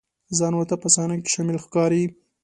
ځان ورته په صحنه کې شامل ښکاري.